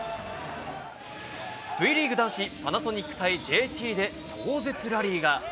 Ｖリーグ男子パナソニック対ＪＴで壮絶ラリーが。